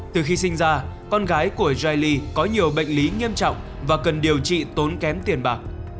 từ khi sinh ra con gái của jaili có nhiều bệnh lý nghiêm trọng và cần điều trị tốn kém tiền bạc